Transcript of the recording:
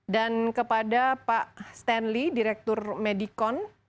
dan kepada pak stanley direktur medikon